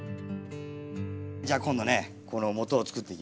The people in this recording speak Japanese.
じゃあ今度ねこのもとをつくっていきます。